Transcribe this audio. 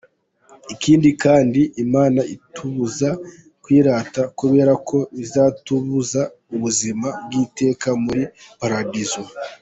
Ikindi kandi, imana itubuza kwirata kubera ko bizatubuza ubuzima bw’iteka muli Paradizo.